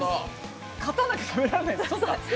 勝たなきゃ食べられないんですね。